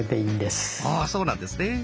あそうなんですね。